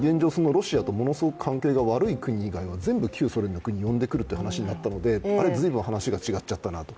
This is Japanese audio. ロシアとものすごく関係の悪い国以外は全部旧ソ連の国、呼んでくるってなったので随分話が違っちゃったなと。